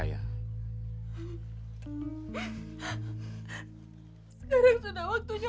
sekarang sudah waktunya